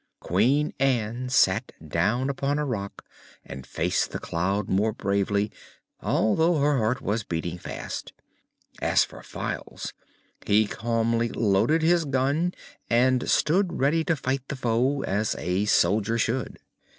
Queen Ann sat down upon a rock and faced the cloud more bravely, although her heart was beating fast. As for Files, he calmly loaded his gun and stood ready to fight the foe, as a soldier should.